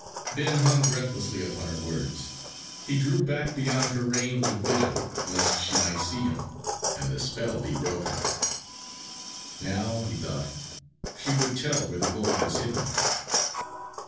Ben hung breathlessly upon her words. He drew back beyond her range of vision, lest she might see him, and the spell be broken. Now, he thought, she would tell where the gold was hidden!